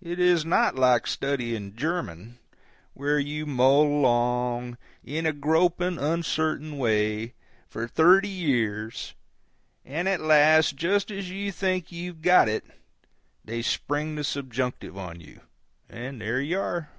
It is not like studying German, where you mull along, in a groping, uncertain way, for thirty years; and at last, just as you think you've got it, they spring the subjunctive on you, and there you are.